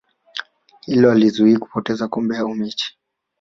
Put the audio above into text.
hilo halizuii kupoteza kombe au mechi